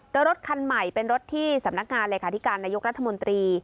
โดยรถคันใหม่เป็นรถที่สำนักงานเลขาธิการนายกรัฐมนตรี